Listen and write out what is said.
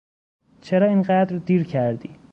چرا این قدر دیر کردی؟